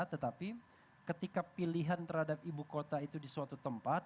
tetapi ketika pilihan terhadap ibu kota itu di suatu tempat